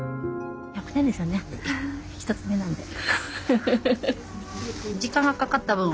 １つ目なんで。